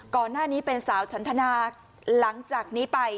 ก่อนหน้านี้เป็นสาวฉันทนาหลังจากนี้ไป